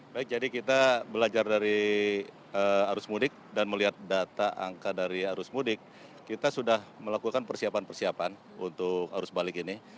baik jadi kita belajar dari arus mudik dan melihat data angka dari arus mudik kita sudah melakukan persiapan persiapan untuk arus balik ini